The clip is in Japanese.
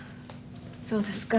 そうですか。